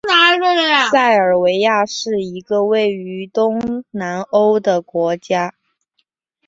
塞尔维亚是一个位于东南欧的国家。